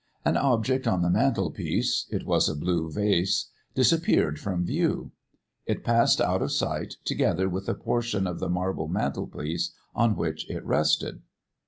An object on the mantelpiece it was a blue vase disappeared from view. It passed out of sight together with the portion of the marble mantelpiece on which it rested.